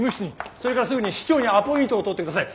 それからすぐに市長にアポイントを取ってください。